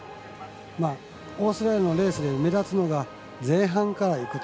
オーストラリアのレースで目立つのが前半からいくと。